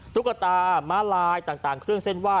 ตุ๊กตาม้าลายต่างเครื่องเส้นไห้